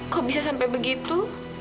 kok bisa sampai begitu